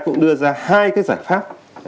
cũng đưa ra hai giải pháp